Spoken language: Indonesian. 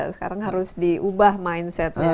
sekarang harus diubah mindsetnya